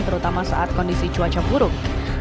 terutama saat kondisi cuaca buruk